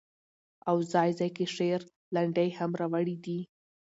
او ځاى ځاى کې شعر، لنډۍ هم را وړي دي